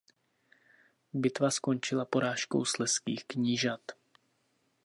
Bitva skončila porážkou slezských knížat.